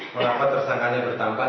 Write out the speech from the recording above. kenapa tersangkanya bertambah